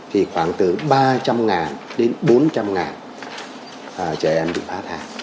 thì khoảng từ ba trăm linh đến bốn trăm linh trẻ em bị phá hại